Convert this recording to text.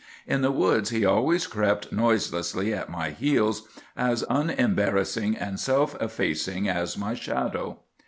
In the woods he always crept noiselessly at my heels, as unembarrassing and self effacing as my shadow.